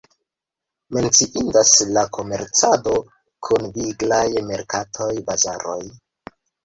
Menciindas la komercado kun viglaj merkatoj, bazaroj.